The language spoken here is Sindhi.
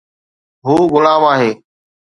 هو غلام آهي